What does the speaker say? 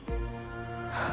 はあ。